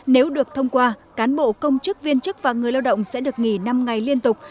nếu được thông qua cán bộ công chức viên chức và người lao động sẽ được nghỉ năm ngày liên tục